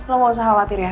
lo gak usah khawatir ya